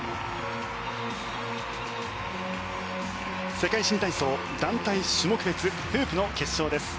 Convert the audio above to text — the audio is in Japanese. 世界新体操、団体種目別フープの決勝です。